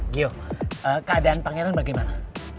gio keadaan pangeran bagaimana